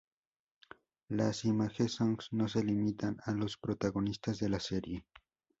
Las "image songs" no se limitan a los protagonistas de la serie.